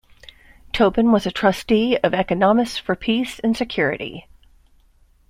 Tobin was a trustee of Economists for Peace and Security.